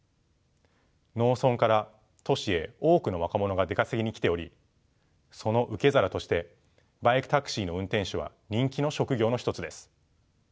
農村から都市へ多くの若者が出稼ぎに来ておりその受け皿としてバイクタクシーの運転手は人気の職業の一つです。